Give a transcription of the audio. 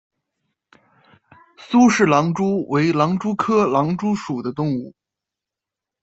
苏氏狼蛛为狼蛛科狼蛛属的动物。